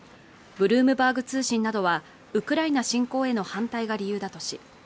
ブルームバーグ通信などはウクライナ侵攻への反対が理由だとし